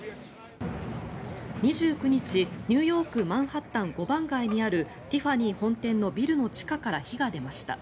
２９日、ニューヨークマンハッタン５番街にあるティファニー本店のビルの地下から火が出ました。